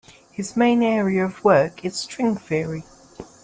His main area of work is String Theory.